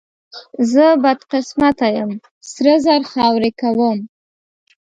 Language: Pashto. زه بدقسمته یم، سره زر خاورې کوم.